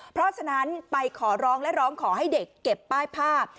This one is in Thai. เพราะฉะนั้นไปขอร้องและร้องขอให้เด็กเก็บป้ายภาพ